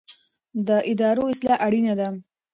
د ادارو اصلاح اړینه ده